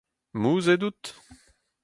Mouzhet out ?